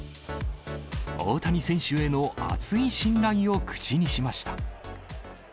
大谷選手への厚い信頼を口にしました。